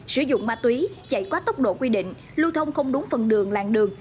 sử dụng ma túy chạy quá tốc độ quy định lưu thông không đúng phần đường làng đường